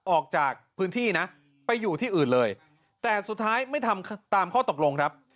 ออกจากพื้นที่นะไปอยู่ที่อื่นเลยแต่สุดท้ายไม่ทำตามข้อตกลงครับ